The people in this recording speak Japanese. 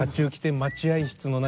待合室の中